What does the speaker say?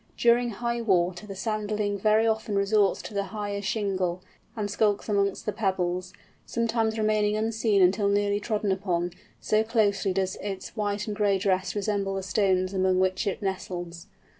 During high water the Sanderling very often resorts to the higher shingle, and skulks amongst the pebbles, sometimes remaining unseen until nearly trodden upon, so closely does its white and gray dress resemble the stones among which it nestles.